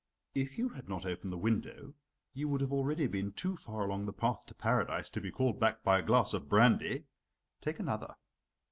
If you had not opened the window, you would have already been too far along the path to Paradise to be called back by a glass of brandy. Take another."